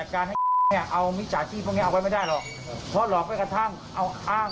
กูอย่าปล่อยให้ผัวคุณอะ